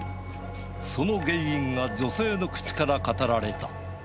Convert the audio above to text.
その原因が女性の口から語られた。